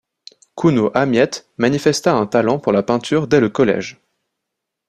Cuno Amiet manifesta un talent pour la peinture dès le collège.